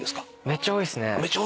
めっちゃ多いっすね。